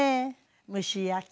蒸し焼き。